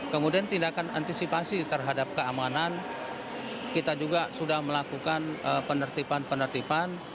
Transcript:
kemudian tindakan antisipasi terhadap keamanan kita juga sudah melakukan penertiban penertiban